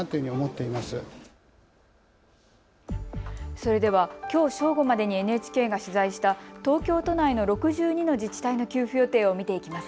それでは、きょう正午までにＮＨＫが取材した東京都内の６２の自治体の給付予定を見ていきます。